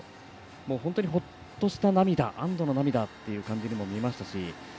本当に、ほっとした涙安どした涙にも見えましたし。